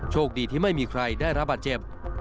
โชคดีที่ไม่มีใครได้รับบาดเจ็บ